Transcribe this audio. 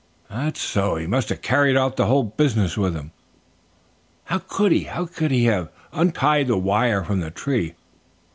"That's so. He must have carried the whole business with him." "How could he? How could he have untied the wire from the tree?